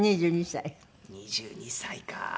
２２歳か。